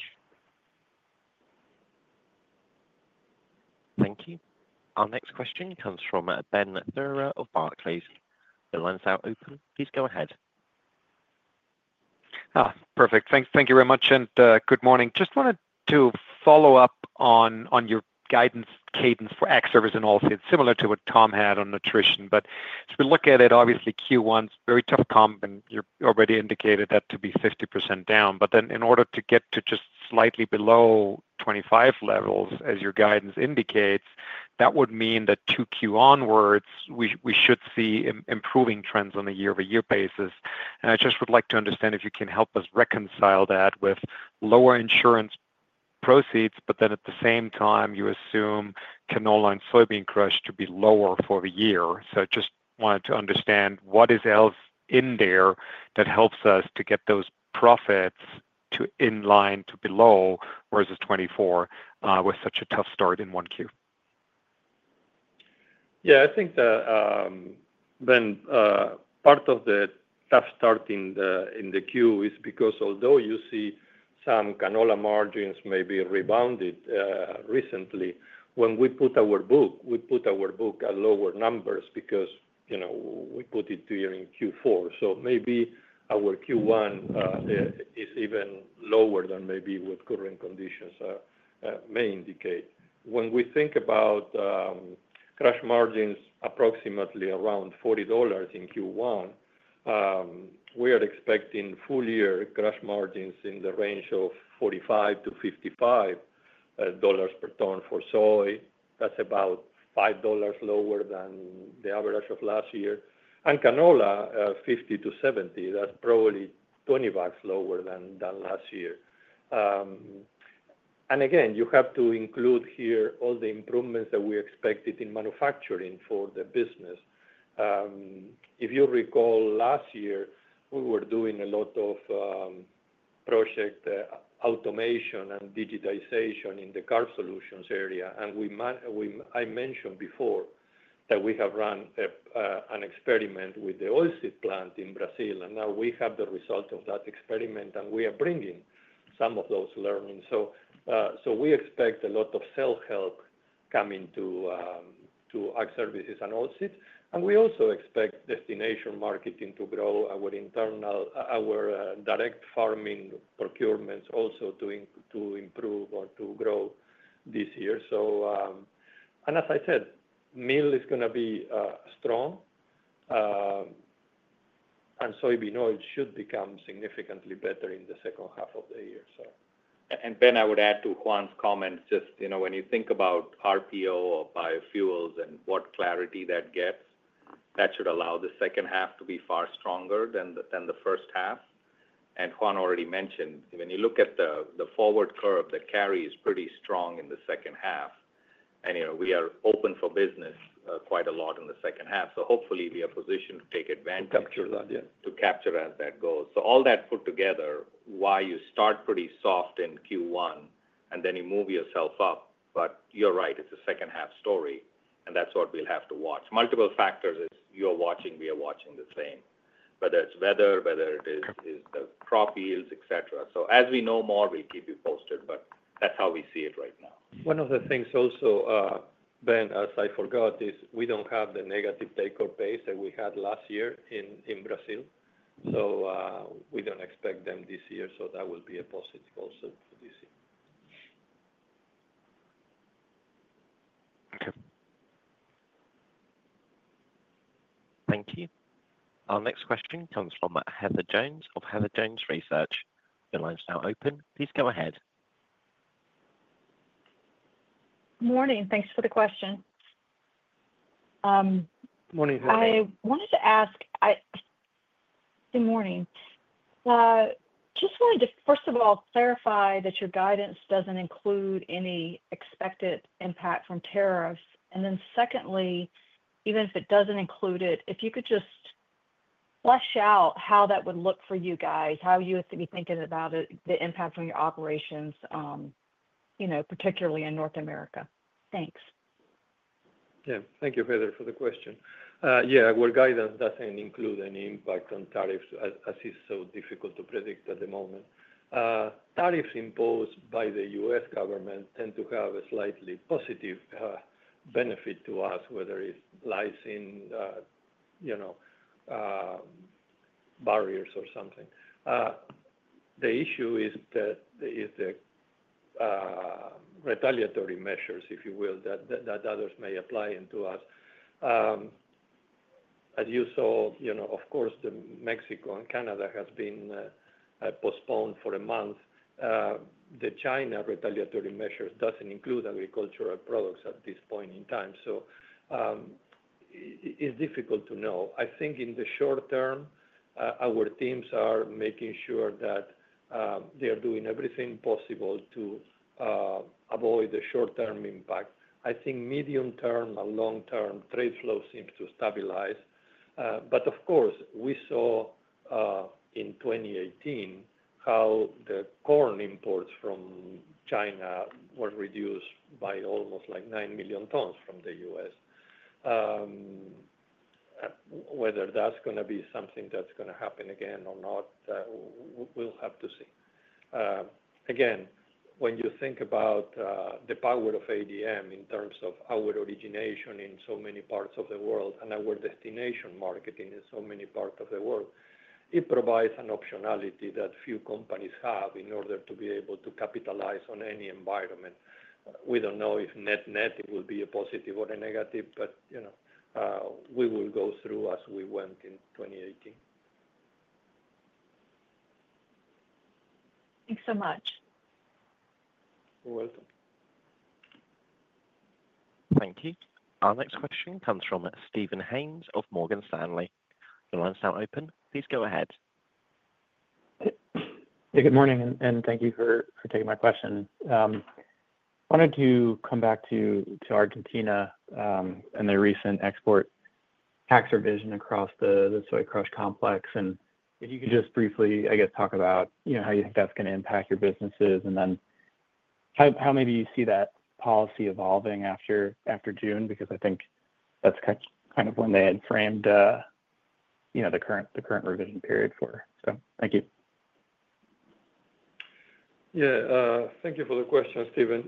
Thank you. Our next question comes from Benjamin Theurer of Barclays. The line is now open. Please go ahead. Perfect. Thank you very much and good morning. Just wanted to follow up on your guidance cadence for Ag Services and Oilseeds, similar to what Tom had on Nutrition. But if we look at it, obviously Q1 is very tough comp, and you already indicated that to be 50% down. But then in order to get to just slightly below 25 levels, as your guidance indicates, that would mean that to Q1 onwards, we should see improving trends on a year-over-year basis. And I just would like to understand if you can help us reconcile that with lower insurance proceeds, but then at the same time, you assume canola and soybean crush to be lower for the year. So I just wanted to understand what else is in there that helps us to get those profits in line to below versus 24 with such a tough start in Q1. Yeah, I think that, Ben, part of the tough start in the Q is because although you see some canola margins maybe rebounded recently, when we put our book at lower numbers because we put it here in Q4. So maybe our Q1 is even lower than maybe what current conditions may indicate. When we think about crush margins approximately around $40 in Q1, we are expecting full-year crush margins in the range of $45-$55 per ton for soy. That's about $5 lower than the average of last year. And canola, $50-$70. That's probably $20 lower than last year. And again, you have to include here all the improvements that we expected in manufacturing for the business. If you recall, last year, we were doing a lot of project automation and digitization in the Carbohydrate Solutions area. And I mentioned before that we have run an experiment with the oilseed plant in Brazil. And now we have the result of that experiment, and we are bringing some of those learnings. So we expect a lot of self-help coming to Ag Services and Oilseeds. And we also expect destination marketing to grow our direct farmer buying also to improve or to grow this year. And as I said, meal is going to be strong. And soybean oil should become significantly better in the second half of the year. And Ben, I would add to Juan's comment, just when you think about RPO or biofuels and what clarity that gets, that should allow the second half to be far stronger than the first half. And Juan already mentioned, when you look at the forward curve, the carry is pretty strong in the second half. And we are open for business quite a lot in the second half. So hopefully, we are positioned to take advantage to capture as that goes. So all that put together, why you start pretty soft in Q1 and then you move yourself up. But you're right, it's a second-half story. And that's what we'll have to watch. Multiple factors you're watching, we are watching the same, whether it's weather, whether it is the crop yields, etc. So as we know more, we'll keep you posted. But that's how we see it right now. One of the things also, Ben, as I forgot, is we don't have the negative take-up pace that we had last year in Brazil. So we don't expect them this year. So that will be a positive also for this year. Okay. Thank you. Our next question comes from Heather Jones of Heather Jones Research. The line is now open. Please go ahead. Good morning. Thanks for the question. Good morning, Heather. Just wanted to, first of all, clarify that your guidance doesn't include any expected impact from tariffs. And then secondly, even if it doesn't include it, if you could just flesh out how that would look for you guys, how you would be thinking about the impact on your operations, particularly in North America. Thanks. Yeah. Thank you, Heather, for the question. Yeah, our guidance doesn't include any impact on tariffs as it's so difficult to predict at the moment. Tariffs imposed by the U.S. government tend to have a slightly positive benefit to us, whether it lies in barriers or something. The issue is the retaliatory measures, if you will, that others may apply to us. As you saw, of course, Mexico and Canada have been postponed for a month. The China retaliatory measures doesn't include agricultural products at this point in time. So it's difficult to know. I think in the short term, our teams are making sure that they are doing everything possible to avoid the short-term impact. I think medium-term and long-term trade flows seem to stabilize. But of course, we saw in 2018 how the corn imports from China were reduced by almost like nine million tons from the U.S. Whether that's going to be something that's going to happen again or not, we'll have to see. Again, when you think about the power of ADM in terms of our origination in so many parts of the world and our destination marketing in so many parts of the world, it provides an optionality that few companies have in order to be able to capitalize on any environment. We don't know if net-net it will be a positive or a negative, but we will go through as we went in 2018. Thanks so much. You're welcome. Thank you. Our next question comes from Steven Haynes of Morgan Stanley. The line is now open. Please go ahead. Hey, good morning. Thank you for taking my question. I wanted to come back to Argentina and the recent export tax revision across the soy crush complex. If you could just briefly, I guess, talk about how you think that's going to impact your businesses and then how maybe you see that policy evolving after June because I think that's kind of when they had framed the current revision period for. So thank you. Yeah. Thank you for the question, Steven.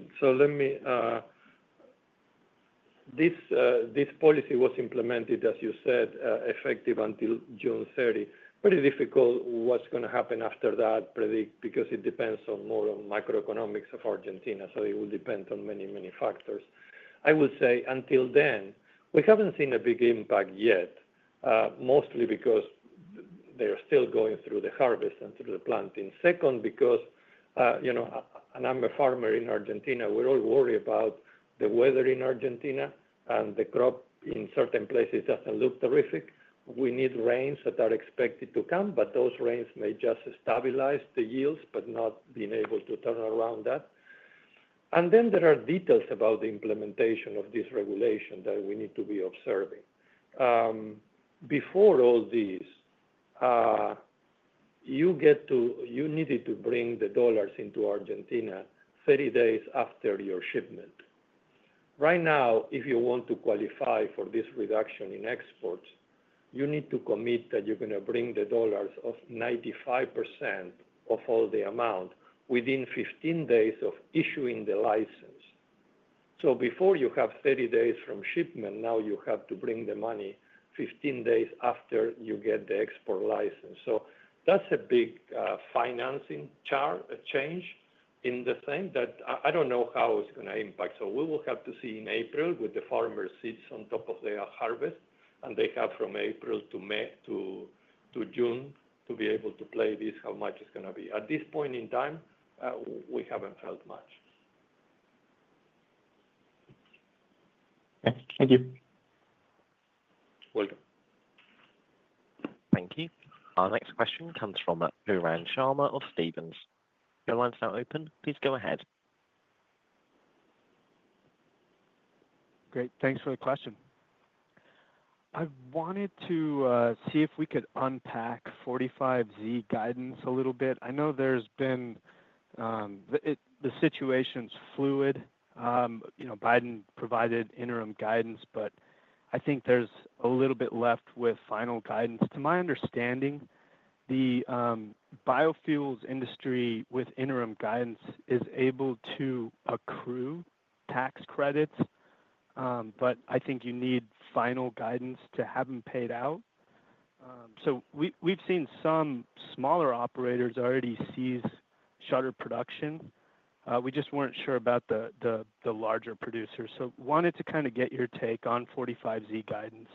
This policy was implemented, as you said, effective until June 30. Very difficult to predict what's going to happen after that, because it depends more on macroeconomics of Argentina. It will depend on many, many factors. I would say, until then, we haven't seen a big impact yet, mostly because they are still going through the harvest and through the planting. Second, because I'm a farmer in Argentina, we're all worried about the weather in Argentina, and the crop in certain places doesn't look terrific. We need rains that are expected to come, but those rains may just stabilize the yields but not be able to turn around that, and then there are details about the implementation of this regulation that we need to be observing. Before all these, you needed to bring the dollars into Argentina 30 days after your shipment. Right now, if you want to qualify for this reduction in exports, you need to commit that you're going to bring the dollars of 95% of all the amount within 15 days of issuing the license. So before you have 30 days from shipment, now you have to bring the money 15 days after you get the export license. So that's a big financing change in the thing that I don't know how it's going to impact. So we will have to see in April with the farmer seats on top of their harvest. And they have from April to June to be able to play this how much it's going to be. At this point in time, we haven't felt much. Thank you. Welcome. Thank you. Our next question comes from Pooran Sharma of Stephens. The line is now open. Please go ahead. Great. Thanks for the question. I wanted to see if we could unpack 45Z guidance a little bit. I know the situation is fluid. Biden provided interim guidance, but I think there's a little bit left with final guidance. To my understanding, the biofuels industry with interim guidance is able to accrue tax credits, but I think you need final guidance to have them paid out. So we've seen some smaller operators already cease shorter production. We just weren't sure about the larger producers. So wanted to kind of get your take on 45Z guidance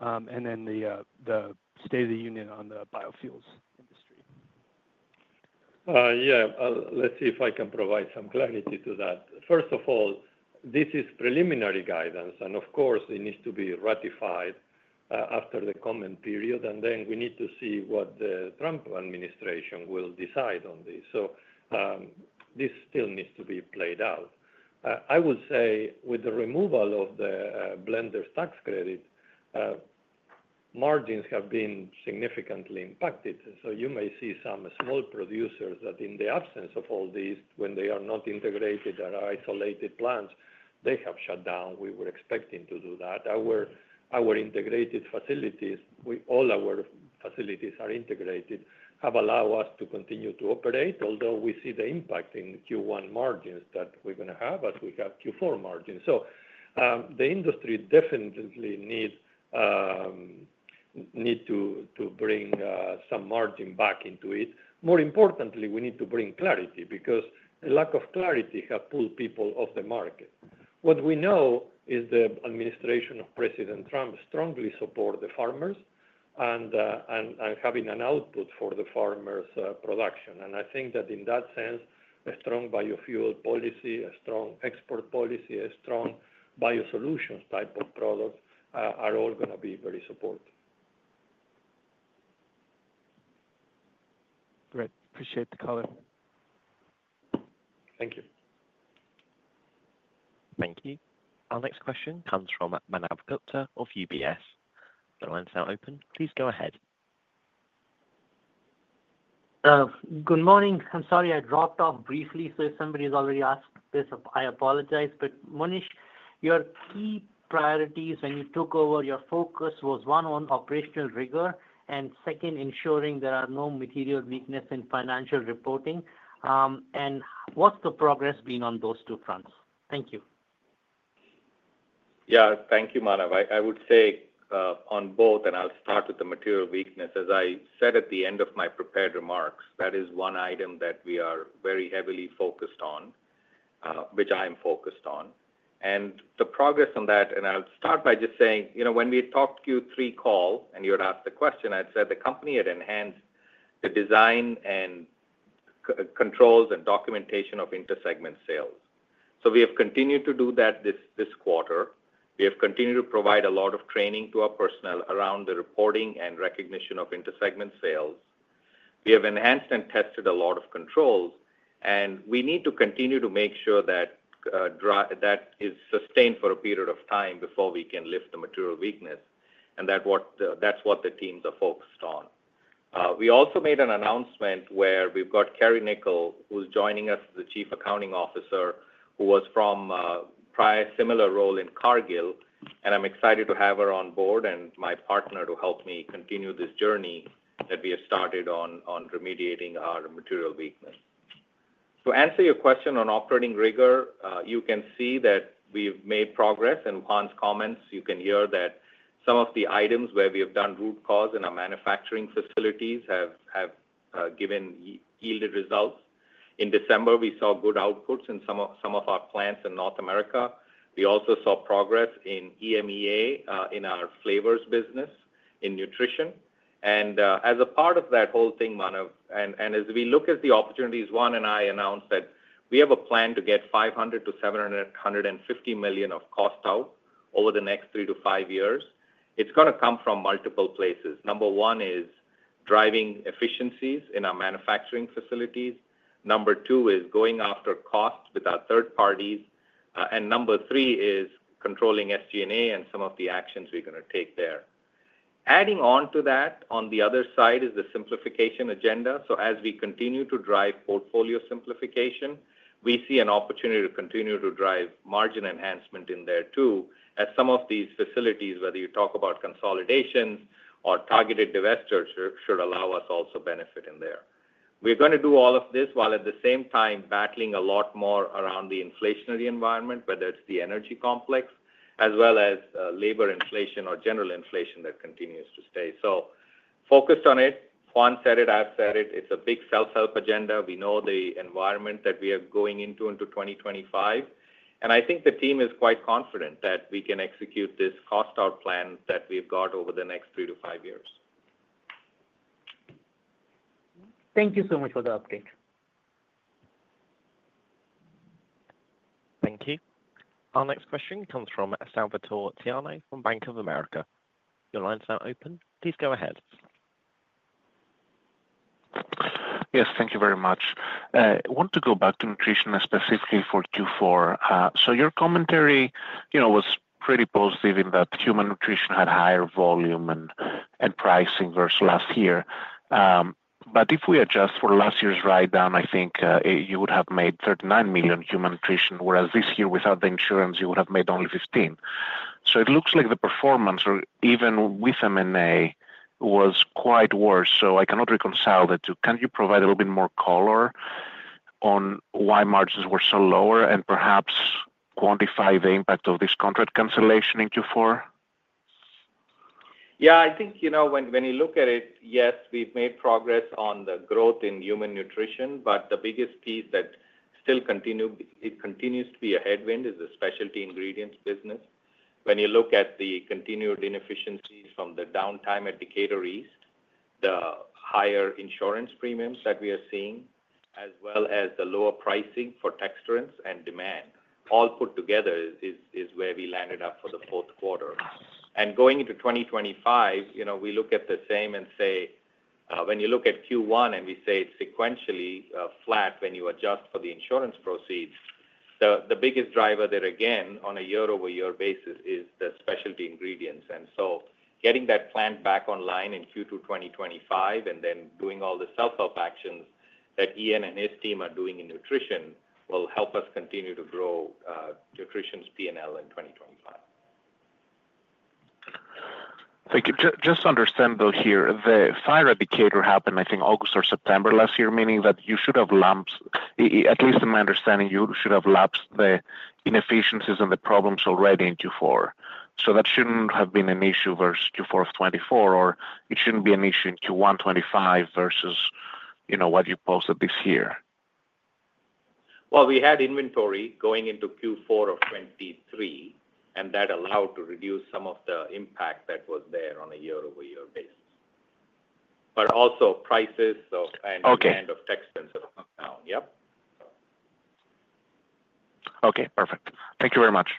and then the State of the Union on the biofuels industry. Yeah. Let's see if I can provide some clarity to that. First of all, this is preliminary guidance, and of course, it needs to be ratified after the comment period, and then we need to see what the Trump administration will decide on this. So this still needs to be played out. I would say with the removal of the blender tax credit, margins have been significantly impacted. So you may see some small producers that in the absence of all these, when they are not integrated, there are isolated plants. They have shut down. We were expecting to do that. Our integrated facilities, all our facilities are integrated, have allowed us to continue to operate, although we see the impact in Q1 margins that we're going to have as we have Q4 margins. So the industry definitely needs to bring some margin back into it. More importantly, we need to bring clarity because a lack of clarity has pulled people off the market. What we know is the administration of President Trump strongly supports the farmers and having an output for the farmers' production. And I think that in that sense, a strong biofuel policy, a strong export policy, a strong bio-solutions type of product are all going to be very supportive. Great. Appreciate the color. Thank you. Thank you. Our next question comes from Manav Gupta of UBS. The line is now open. Please go ahead. Good morning. I'm sorry, I dropped off briefly. So if somebody has already asked this, I apologize. But Monish, your key priorities when you took over your focus was, one, on operational rigor, and second, ensuring there are no material weaknesses in financial reporting. And what's the progress been on those two fronts? Thank you. Yeah. Thank you, Manav. I would say on both, and I'll start with the material weakness. As I said at the end of my prepared remarks, that is one item that we are very heavily focused on, which I'm focused on. The progress on that, and I'll start by just saying, when we talked Q3 call and you had asked the question, I'd said the company had enhanced the design and controls and documentation of intersegment sales. So we have continued to do that this quarter. We have continued to provide a lot of training to our personnel around the reporting and recognition of intersegment sales. We have enhanced and tested a lot of controls. We need to continue to make sure that that is sustained for a period of time before we can lift the material weakness. That's what the teams are focused on. We also made an announcement where we've got Kerry Nichol, who's joining us as the Chief Accounting Officer, who was from a prior similar role in Cargill. I'm excited to have her on board and my partner to help me continue this journey that we have started on remediating our material weakness. To answer your question on operating rigor, you can see that we've made progress. In Juan's comments, you can hear that some of the items where we have done root cause in our manufacturing facilities have yielded results. In December, we saw good outputs in some of our plants in North America. We also saw progress in EMEA in our flavors business, in nutrition. And as a part of that whole thing, Manav, and as we look at the opportunities, Juan and I announced that we have a plan to get $500 million-$750 million of cost out over the next three to five years. It's going to come from multiple places. Number one is driving efficiencies in our manufacturing facilities. Number two is going after costs with our third parties. And number three is controlling SG&A and some of the actions we're going to take there. Adding on to that, on the other side is the simplification agenda. So as we continue to drive portfolio simplification, we see an opportunity to continue to drive margin enhancement in there too, as some of these facilities, whether you talk about consolidations or targeted divestitures, should allow us also benefit in there. We're going to do all of this while at the same time battling a lot more around the inflationary environment, whether it's the energy complex, as well as labor inflation or general inflation that continues to stay. So focused on it, Juan said it, I've said it. It's a big self-help agenda. We know the environment that we are going into 2025. I think the team is quite confident that we can execute this cost-out plan that we've got over the next three to five years. Thank you so much for the update. Thank you. Our next question comes from Salvator Tiano from Bank of America. Your line is now open. Please go ahead. Yes. Thank you very much. I want to go back to nutrition specifically for Q4. Your commentary was pretty positive in that human nutrition had higher volume and pricing versus last year. If we adjust for last year's write-down, I think you would have made $39 million human nutrition, whereas this year without the insurance, you would have made only $15 million. It looks like the performance, even with M&A, was quite worse. I cannot reconcile the two. Can you provide a little bit more color on why margins were so lower and perhaps quantify the impact of this contract cancellation in Q4? Yeah. I think when you look at it, yes, we've made progress on the growth in human nutrition. But the biggest piece that still continues to be a headwind is the specialty ingredients business. When you look at the continued inefficiencies from the downtime at Decatur East, the higher insurance premiums that we are seeing, as well as the lower pricing for texturants and demand, all put together is where we landed up for the Q4. And going into 2025, we look at the same and say, when you look at Q1 and we say it's sequentially flat when you adjust for the insurance proceeds, the biggest driver there again on a year-over-year basis is the specialty ingredients. And so getting that plant back online in Q2 2025 and then doing all the self-help actions that Ian and his team are doing in nutrition will help us continue to grow nutrition's P&L in 2025. Thank you. Just to understand though here, the fire at Decatur happened, I think, August or September last year, meaning that you should have lapsed at least in my understanding, you should have lapsed the inefficiencies and the problems already in Q4. So that shouldn't have been an issue versus Q4 of 2024, or it shouldn't be an issue in Q1 2025 versus what you posted this year. Well, we had inventory going into Q4 of 2023, and that allowed to reduce some of the impact that was there on a year-over-year basis. But also prices and the end of texturants have come down. Yep. Okay. Perfect. Thank you very much.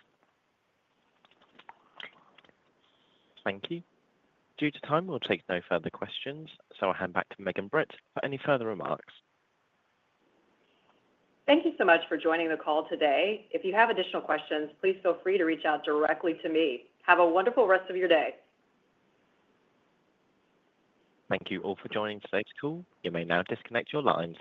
Thank you. Due to time, we'll take no further questions, so I'll hand back to Megan Britt for any further remarks. Thank you so much for joining the call today. If you have additional questions, please feel free to reach out directly to me. Have a wonderful rest of your day. Thank you all for joining today's call. You may now disconnect your line.